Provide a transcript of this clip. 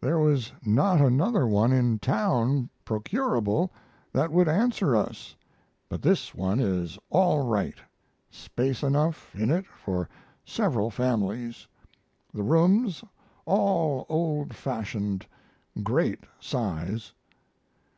There was not another one in town procurable that would answer us, but this one is all right space enough in it for several families, the rooms all old fashioned, great size.